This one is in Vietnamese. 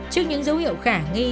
trước những dấu hiệu khả nghi